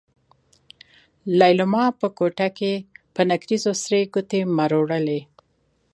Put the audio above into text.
ليلما په کوټه کې په نکريزو سرې ګوتې مروړلې.